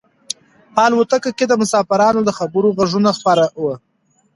په الوتکه کې د مسافرانو د خبرو غږونه خپاره وو.